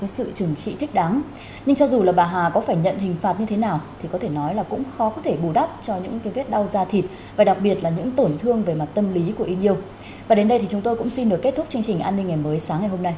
xin kính chào tạm biệt và hẹn gặp lại